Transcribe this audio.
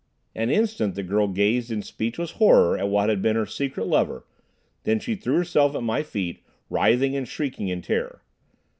An instant the girl gazed in speechless horror at what had been her secret lover, then she threw herself at my feet, writhing and shrieking in terror.